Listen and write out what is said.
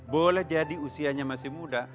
boleh jadi usianya masih muda